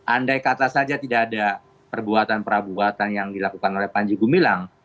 andai kata saja tidak ada perbuatan perabuatan yang dilakukan oleh panjegu milang